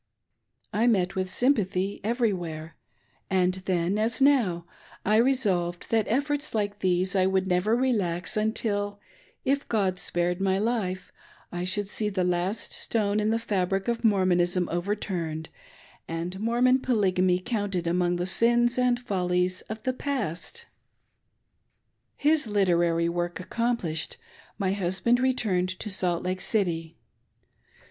I met with sympathy every where, and then, as now, I resolved that efforts like these I wolild never relax until, if God spared my life, I should see the last stone in the fabric of Mormonism overturned and Mor mon Polygamy counted among the sins and follies of the past His literary work accomplished, my husband returned to Salt Lake City.